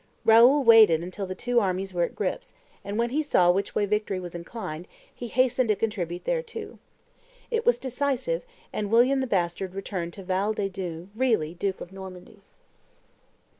Raoul waited until the two armies were at grips, and when he saw which way victory was inclined, he hasted to contribute thereto. It was decisive: and William the Bastard returned to Val des Dunes really duke of Normandy.